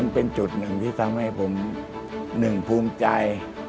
เป็นจุดหนึ่งที่ทำให้ผมหนึ่งภูมิใจ